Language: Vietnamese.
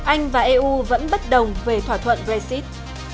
anh và eu vẫn bất đồng về thỏa thuận brexit